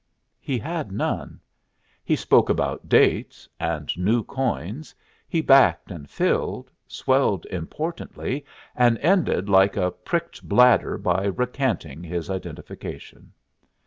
He had none. He spoke about dates, and new coins, he backed and filled, swelled importantly, and ended like a pricked bladder by recanting his identification.